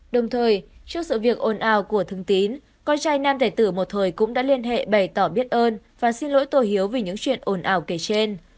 đồng thời trước sự việc ồn ào của thương tín con trai nam đệ tử một thời cũng đã liên hệ bày tỏ biết ơn và xin lỗi tổ hiếu vì những chuyện ồn ào kể trên